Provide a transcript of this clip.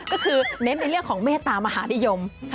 ก็คือเน้นในเรื่องของเมตตามหานิยม